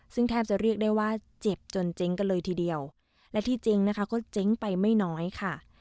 ซึ่งแทบจะเรียกได้ว่าเจ็บจนเจ๊งกันเลยทีเดียวและที่เจ๊งนะคะก็เจ๊งไปไม่น้อยค่ะ